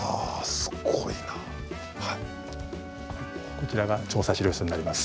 こちらが調査史料室になります。